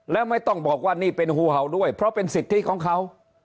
แล้วไม่ต้องบอกว่านี่เป็นหูเห่าด้วยเพราะเป็นสิทธิของเขา